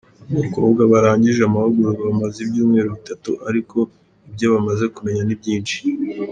Abakobwa barangije amahugurwa bamaze ibyumweru bitatu ariko ibyo bamaze kumenya ni byinshi.